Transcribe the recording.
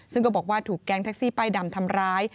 ซึ่งก็บอกว่าถูกแก๊งแท็กซี่ป้ายดำทำร้าย